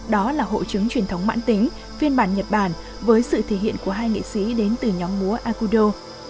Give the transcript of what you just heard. đó là hội chứng truyền thống mãn tính phiên bản nhật bản với sự thể hiện của hai nghệ sĩ đến từ nhóm múa akudo